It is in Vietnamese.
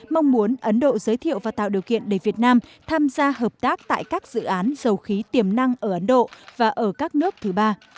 mong muốn ấn độ giới thiệu và tạo điều kiện để việt nam tham gia hợp tác tại các dự án dầu khí tiềm năng ở ấn độ và ở các nước thứ ba